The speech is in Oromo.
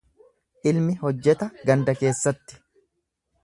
Ilmi hojjeta ganda keessatti.